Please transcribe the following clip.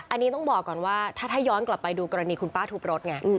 อันนี้ต้องบอกก่อนว่าถ้าย้อนกลับไปดูกรณีคุณป้าทุบรถไง